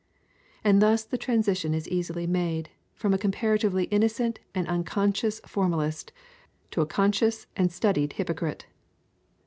And thus the transition is easily made from a comparatively innocent and unconscious formalist to a conscious and studied hypocrite.